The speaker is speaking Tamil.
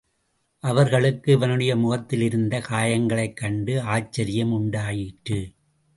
அவர்களுக்கு இவனுடைய முகத்திலிருந்த காயங்களைக் கண்டு ஆச்சரியம் உண்டாயிற்று.